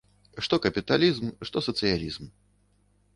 Што капіталізм, што сацыялізм.